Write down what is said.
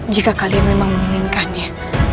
jika kalian memang menginginkannya